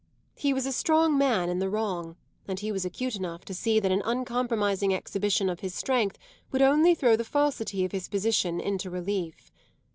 He was a strong man in the wrong, and he was acute enough to see that an uncompromising exhibition of his strength would only throw the falsity of his position into relief.